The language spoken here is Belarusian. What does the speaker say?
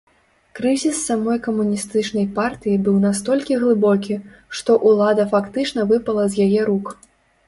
Крызіс самой камуністычнай партыі быў настолькі глыбокі, што ўлада фактычна выпала з яе рук.